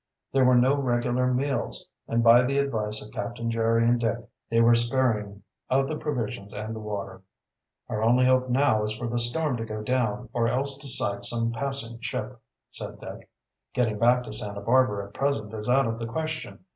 There were no regular meals, and by the advice of Captain Jerry and Dick they were sparing of the provisions and the water. "Our only hope now is for the storm to go down, or else to sight some passing ship," said Dick. "Getting back to Santa Barbara at present is out of the question.